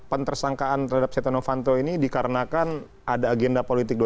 penterangkaan terhadap setanow fanto ini dikarenakan ada agenda politik dua ribu sembilan belas